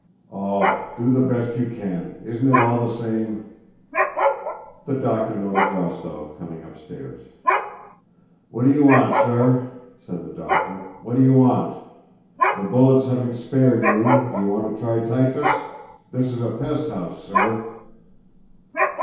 "Oh, do the best you can! Isn't it all the same?" The doctor noticed Rostóv coming upstairs. "What do you want, sir?" said the doctor. "What do you want? The bullets having spared you, do you want to try typhus? This is a pesthouse, sir."